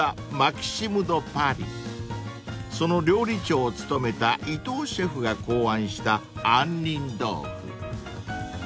［その料理長を務めた伊藤シェフが考案した杏仁豆腐］